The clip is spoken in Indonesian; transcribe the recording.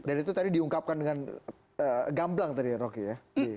dan itu tadi diungkapkan dengan gamblang tadi ya rocky ya